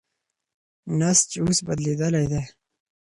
نسج اوس بدلېدلی دی.